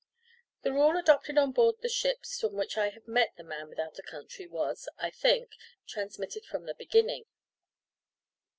The rule adopted on board the ships on which I have met "the man without a country" was, I think, transmitted from the beginning.